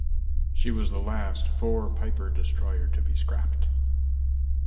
She was the last "four piper" destroyer to be scrapped.